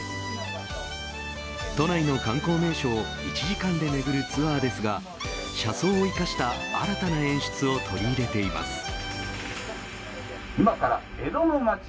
都内の観光名所を１時間で巡るツアーですが車窓を生かした新たな演出を取り入れています。